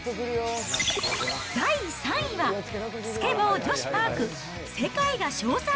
第３位は、スケボー女子パーク、世界が称賛！